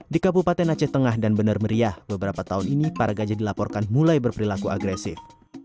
di kabupaten aceh tengah dan benar meriah beberapa tahun ini para gajah dilaporkan mulai berperilaku agresif